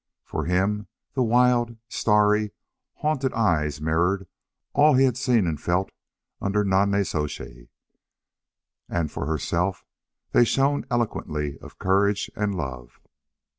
For him the wild, starry, haunted eyes mirrored all that he had seen and felt under Nonnezoshe. And for herself they shone eloquently of courage and love.